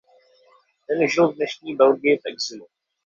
Ten žil v dnešní Belgii v exilu.